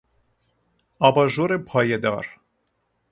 آباژور پایه دار